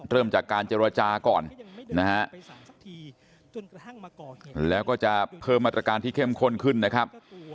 เริ่มจากการเจรจาก่อนนะฮะแล้วก็จะเพิ่มมาตรการที่เข้มข้นขึ้นนะครับ